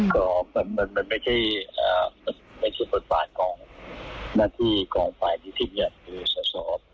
ก็มันไม่ใช่บทบาทของหน้าที่กองฝ่ายที่ที่นี่คือสส